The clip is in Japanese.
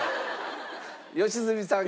良純さんが。